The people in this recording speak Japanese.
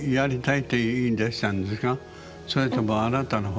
それともあなたの方から？